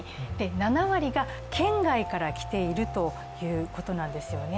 ７割が県外から来ているということなんですよね。